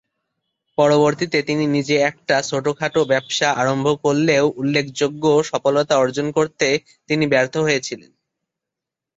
পরবর্তীতে তিনি নিজে একটা ছোটখাট ব্যবসা আরম্ভ করলেও উল্লেখযোগ্য সফলতা অর্জন করতে তিনি ব্যর্থ হয়েছিলেন।